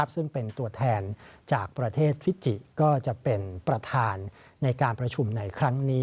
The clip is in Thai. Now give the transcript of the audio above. ซึ่งเป็นตัวแทนจากประเทศฟิจิก็จะเป็นประธานในการประชุมในครั้งนี้